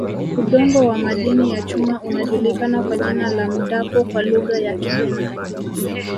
Udongo wa madini ya chuma unajulikana kwa jina la Mdapo kwa Lugha ya Kibena